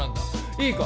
いいか？